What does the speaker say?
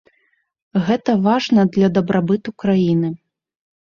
Гэта важна для дабрабыту краіны.